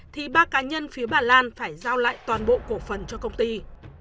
thì ba cá nhân phía bà lan phải giao lại toàn bộ cổ phần cho công ty